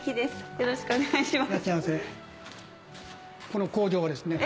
よろしくお願いします。